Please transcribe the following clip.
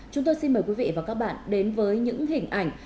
chúng tôi xin mời quý vị và các bạn đến với những hình ảnh